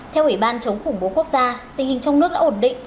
theo ủy ban chống khủng bố quốc gia tình hình trong nước đã ổn định